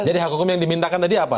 jadi hak hukum yang dimintakan tadi apa